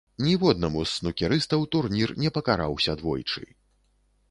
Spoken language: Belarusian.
Ніводнаму з снукерыстаў турнір не пакараўся двойчы.